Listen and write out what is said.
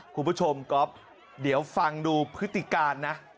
คุณผู้ชมก๊อฟเดี๋ยวฟังดูพฤติการนะ